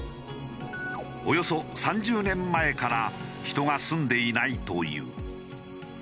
およそ３０年前から人が住んでいないという。